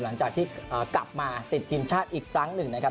หลังจากที่กลับมาติดทีมชาติอีกครั้งหนึ่งนะครับ